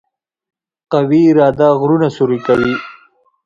قوي اراده غرونه سوري کوي.